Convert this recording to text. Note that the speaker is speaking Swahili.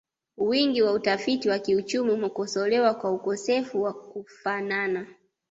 Wingi wa utafiti wa kiuchumi umekosolewa kwa ukosefu wa kufanana